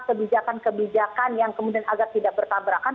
kebijakan kebijakan yang kemudian agak tidak bertabrakan